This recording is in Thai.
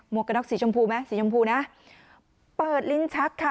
กระน็อกสีชมพูไหมสีชมพูนะเปิดลิ้นชักค่ะ